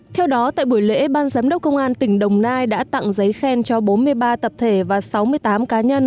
theo đó tại buổi lễ ban giám đốc công an tỉnh đồng nai đã tặng giấy khen cho bốn mươi ba tập thể và sáu mươi tám cá nhân